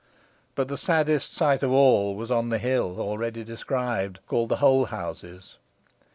But the saddest sight of all was on the hill, already described, called the Holehouses.